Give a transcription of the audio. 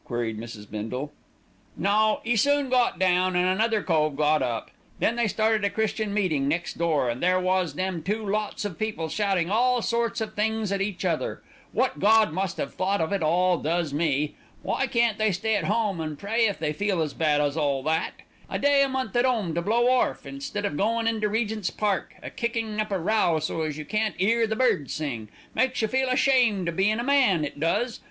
queried Mrs. Bindle. "No; 'e soon got down, an' another cove got up. Then they started a Christian meeting next door, and there was them two lots of people shouting all sorts of things at each other. Wot Gawd must 'ave thought of it all does me. Why can't they stay at home and pray if they feel as bad as all that. A day a month at 'ome to blow orf, instead of goin' into Regent's Park, a kicking up a row so as you can't 'ear the birds sing, makes you feel ashamed o' bein' a man, it does.